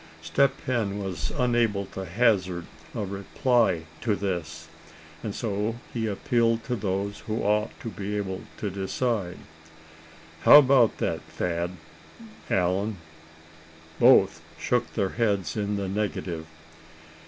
Step Hen was unable to hazard a reply to this, and so he appealed to those who ought to be able to decide. "How about that, Thad, Allan?" Both shook their heads in the negative.